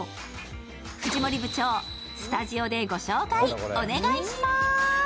藤森部長、スタジオでご紹介お願いしまーす。